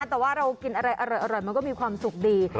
แต่ว่าเรากินอะไรอร่อยมันก็มีความสุขดี